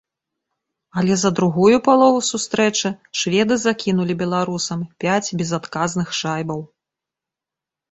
Але за другую палову сустрэчы шведы закінулі беларусам пяць безадказных шайбаў.